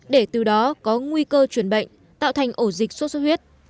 để từ đó có nguy cơ chuyển bệnh tạo thành ổ dịch sốt xuất huyết